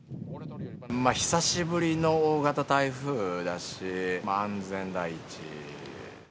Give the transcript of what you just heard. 久しぶりの大型台風だし、安全第一。